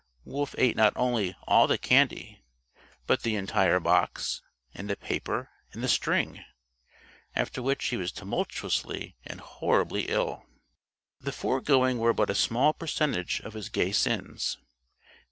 Wolf ate not only all the candy, but the entire box and the paper and the string after which he was tumultuously and horribly ill. The foregoing were but a small percentage of his gay sins.